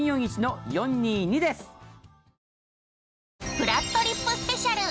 ◆ぷらっとりっぷスペシャル！